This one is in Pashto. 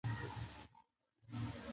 سیاسي مشران باید صداقت ولري